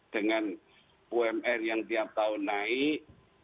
dengan umr yang tiap tahun naik